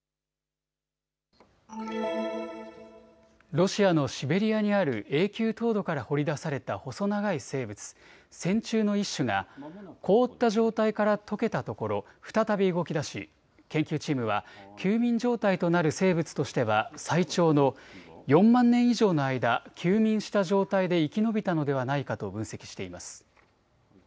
ロシアのシベリアにある永久凍土から掘り出された細長い生物、線虫の一種が凍った状態からとけたところ再び動きだし研究チームは休眠状態となる生物としては最長の４万年以上の間、休眠した状態で生き延びたのではないかと分析しています。